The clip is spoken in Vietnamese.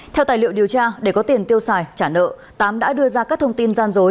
theo tài liệu điều tra để có tiền tiêu xài trả nợ tám đã đưa ra các thông tin gian dối